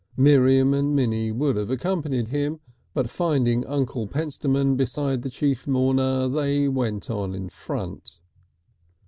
Miriam and Minnie would have accompanied him, but finding Uncle Pentstemon beside the Chief Mourner they went on in front.